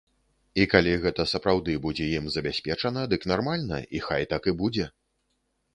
І калі гэта сапраўды будзе ім забяспечана, дык нармальна, і хай так і будзе.